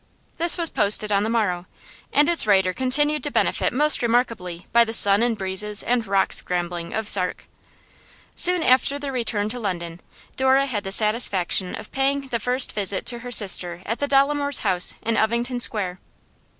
This was posted on the morrow, and its writer continued to benefit most remarkably by the sun and breezes and rock scrambling of Sark. Soon after their return to London, Dora had the satisfaction of paying the first visit to her sister at the Dolomores' house in Ovington Square.